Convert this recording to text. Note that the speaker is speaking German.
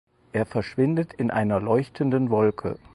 Er verschwindet in einer leuchtenden Wolke.